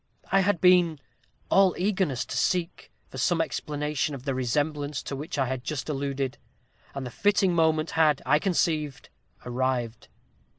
I had been all eagerness to seek for some explanation of the resemblance to which I have just alluded, and the fitting moment had, I conceived, arrived.